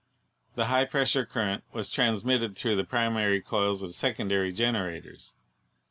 The high pressure current was transmitted through the primary coils of secondary generators.